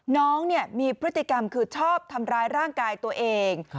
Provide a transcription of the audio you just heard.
น้องมีพฤติกรรมคือชอบทำร้ายร่างกายตัวเอง